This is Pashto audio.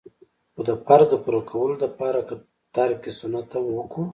خو د فرض د پوره کولو د پاره که ترک سنت هم وکو.